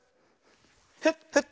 フッフッ。